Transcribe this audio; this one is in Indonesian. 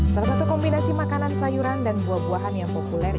salah satu kombinasi makanan sayuran dan buah buahan yang populer